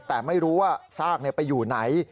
แต่ไม่รู้ว่าซากไปอยู่ไหน